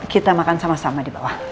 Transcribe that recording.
kita makan sama sama di bawah